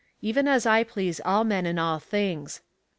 Even as I please all men in all things.